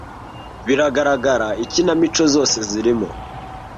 Biragaragara Ikinamico zose zirimo